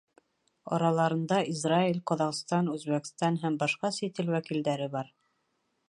Араларында Израиль, Ҡаҙағстан, Үзбәкстан һәм башҡа сит ил вәкилдәре бар.